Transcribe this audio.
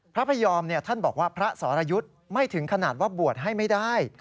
พระพยอมท่านบอกว่าพระสรยุทธ์ไม่ถึงขนาดว่าบวชให้ไม่ได้